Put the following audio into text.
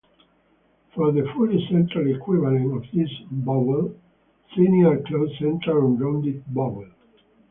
For the fully central equivalent of this vowel, see near-close central unrounded vowel.